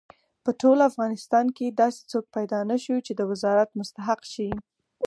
په ټول افغانستان کې داسې څوک پیدا نه شو چې د وزارت مستحق شي.